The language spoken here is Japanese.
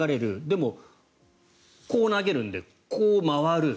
でも、こう投げるのでこう回る。